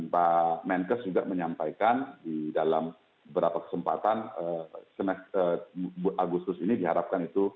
pak menkes juga menyampaikan di dalam beberapa kesempatan agustus ini diharapkan itu